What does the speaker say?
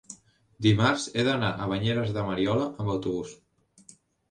Dimarts he d'anar a Banyeres de Mariola amb autobús.